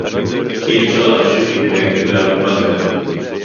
אי-אפשר להמשיך להתנהג לאבו-מאזן